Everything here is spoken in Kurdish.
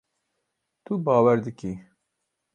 Tu bawer dikî.